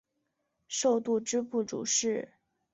授度支部主事。